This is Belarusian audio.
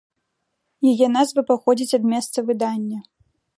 Яе назва паходзіць ад месца выдання.